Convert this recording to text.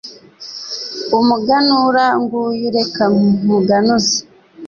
umuganura nguyu reka nkuganuze